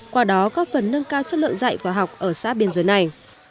qua đó góp phần nâng cao chất lượng dạy và học ở xã biên giới này